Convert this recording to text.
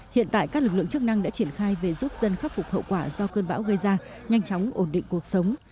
hiện tại các lực lượng chức năng đã triển khai về giúp dân khắc phục hậu quả do cơn bão gây ra nhanh chóng ổn định cuộc sống